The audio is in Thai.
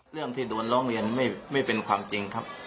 เรื่องที่โดนร้องเรียนไม่เป็นความจริงครับ